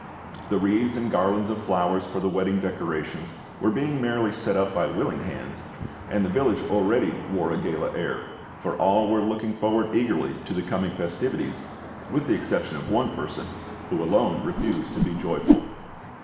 The wreaths and garlands of flowers for the wedding decorations were being merrily set up by willing hands, and the village already wore a gala air; for all were looking forward eagerly to the coming festivities, with the exception of one person, who alone refused to be joyful.